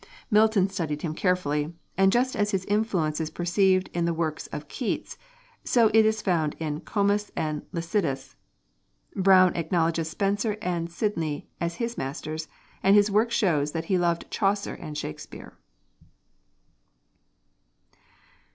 Milton studied him carefully, and just as his influence is perceived in the work of Keats, so is it found in 'Comus' and in 'Lycidas.' Browne acknowledges Spenser and Sidney as his masters, and his work shows that he loved Chaucer and Shakespeare.